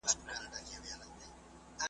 دمستانو په جامونو .